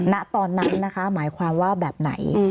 ณตอนนั้นนะคะหมายความว่าแบบไหน